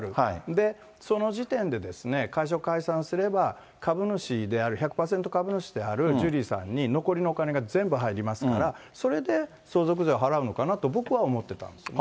で、その時点で、会社を解散すれば、株主である、１００％株主であるジュリーさんに残りのお金が全部入りますから、それで相続税を払うのかなと僕は思ってたんですよね。